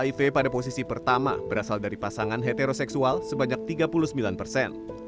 hiv pada posisi pertama berasal dari pasangan heteroseksual sebanyak tiga puluh sembilan persen